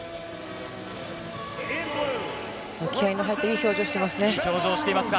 気合の入ったいい表情をしていますね。